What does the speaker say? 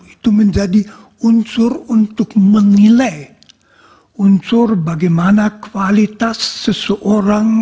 itu menjadi unsur untuk menilai unsur bagaimana kualitas seseorang